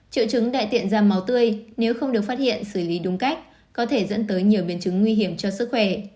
bộ trứng đại tiện ra màu tươi nếu không được phát hiện xử lý đúng cách có thể dẫn tới nhiều biến chứng nguy hiểm cho sức khỏe